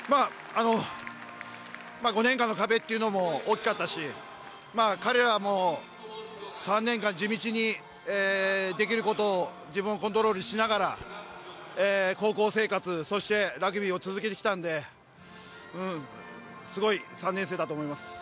◆５年間の壁というのも大きかったし、彼らも、３年間地道にできることを自分のコントロールしながら、高校生活、そしてラグビーを続けてきたのですごい３年生だと思います。